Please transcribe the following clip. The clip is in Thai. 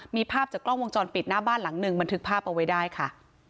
มีภาพจากกล้องวงจรปิดหน้าบ้านหลังหนึ่งบันทึกภาพเอาไว้ได้ค่ะ